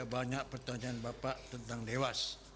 banyak pertanyaan bapak tentang dewas